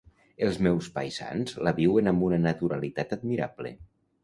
Els meus paisans la viuen amb una naturalitat admirable.